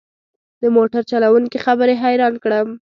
د موټر چلوونکي خبرې حيران کړم.